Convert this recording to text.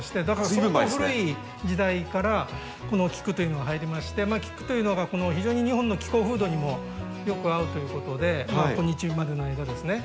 相当古い時代からこの菊というのが入りまして菊というのが非常に日本の気候風土にもよく合うということで今日までの間ですね